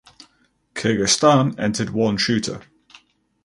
Kyrgyzstan entered one shooter.